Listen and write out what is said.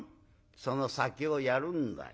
その先をやるんだよ。